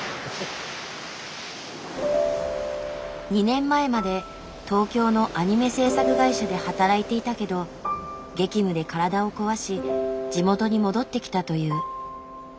２年前まで東京のアニメ制作会社で働いていたけど激務で体を壊し地元に戻ってきたという。